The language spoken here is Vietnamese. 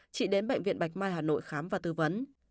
chị đến bệnh viện bạch mai hà nội khám và tư vấn